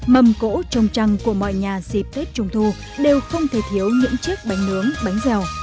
mầm cỗ trồng trăng của mọi nhà dịp tết trung thu đều không thể thiếu những chiếc bánh nướng bánh dèo